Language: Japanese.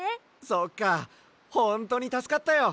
そっかほんとにたすかったよ！